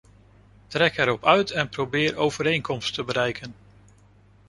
Trek erop uit en probeer overeenkomst te bereiken.